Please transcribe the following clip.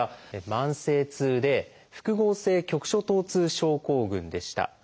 慢性痛で複合性局所疼痛症候群でした。